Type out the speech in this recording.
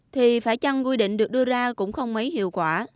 thì phải chăng quy định được đưa ra cũng không mấy hiệu quả